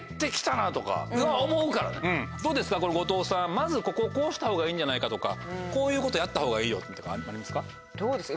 まずここをこうしたほうがいいんじゃないかとかこういうことやったほうがいいよとかありますか？